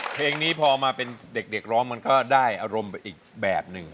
เพลงนี้พอมาเป็นเด็กร้องมันก็ได้อารมณ์ไปอีกแบบหนึ่ง